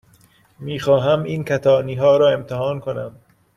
می خواهم این کتانی ها را امتحان کنم.